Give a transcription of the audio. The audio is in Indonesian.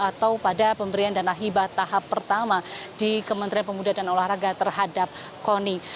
dan kemudian ada pemberian dana hibah tahap pertama di kementerian pemuda dan olahraga terhadap koni